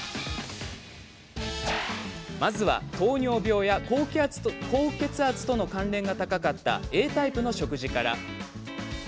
まずは、糖尿病や高血圧との関連が高かったＡタイプの食事から。